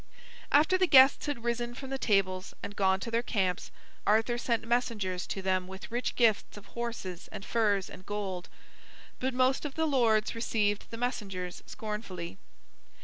After the guests had risen from the tables and gone to their camps, Arthur sent messengers to them with rich gifts of horses and furs and gold. But most of the lords received the messengers scornfully.